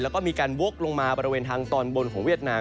แล้วก็มีการวกลงมาบริเวณทางตอนบนของเวียดนาม